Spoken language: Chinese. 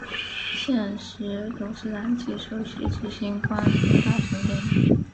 现时董事长及首席执行官朱大成先生。